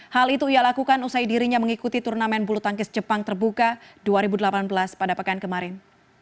hal itu ia lakukan usai dirinya mengikuti turnamen bulu tangkis jepang terbuka dua ribu delapan belas pada pekan kemarin